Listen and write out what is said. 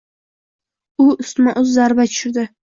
U ustma-ust zarba tushirdi.